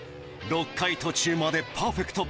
６回途中までパーフェクト。